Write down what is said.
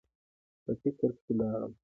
پۀ فکر کښې لاړم ـ